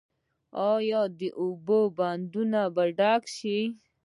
آیا د اوبو بندونه به ډک شي؟